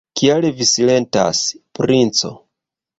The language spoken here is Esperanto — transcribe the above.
Kial vi silentas, princo?